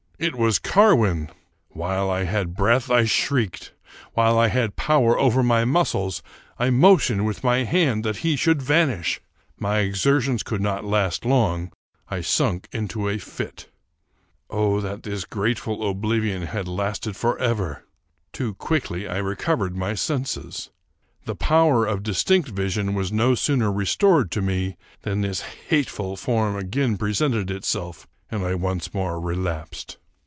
It was Carwin ! While I had breath, I shrieked. While I had power over my muscles, I motioned with my hand that he should van ish. My exertions could not last long: I sunk into a fit. Oh that this grateful oblivion had lasted forever! Too quickly I recovered my senses. The power of distinct vision was no sooner restored to me, than this hateful form again presented itself, and I once more relapsed.